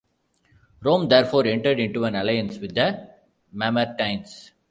Rome therefore entered into an alliance with the Mamertines.